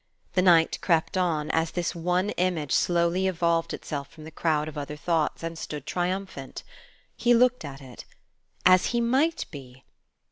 The night crept on, as this one image slowly evolved itself from the crowd of other thoughts and stood triumphant. He looked at it. As he might be!